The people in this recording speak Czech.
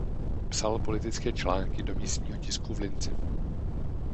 Psal politické články do místního tisku v Linci.